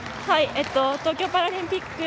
東京パラリンピック